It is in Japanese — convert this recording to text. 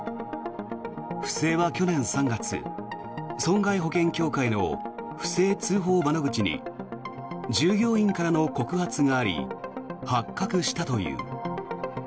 不正は去年３月損害保険協会の不正通報窓口に従業員からの告発があり発覚したという。